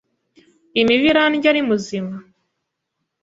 Iyi mibu irandya ari muzima!